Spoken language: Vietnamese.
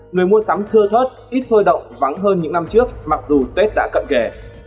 người mua sắm thưa thớt ít sôi động vắng hơn những năm trước mặc dù tết đã cận kề